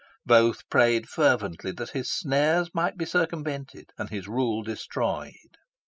Both prayed fervently that his snares might be circumvented, and his rule destroyed.